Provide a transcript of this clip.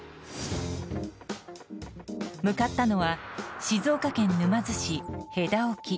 向かったのは静岡県沼津市戸田沖。